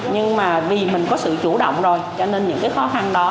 nhưng mà vì mình có sự chủ động rồi cho nên những cái khó khăn đó